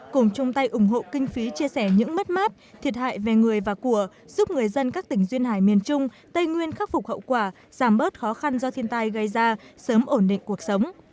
cùng chung tay ủng hộ kinh phí chia sẻ những mất mát thiệt hại về người và của giúp người dân các tỉnh duyên hải miền trung tây nguyên khắc phục hậu quả giảm bớt khó khăn do thiên tai gây ra sớm ổn định cuộc sống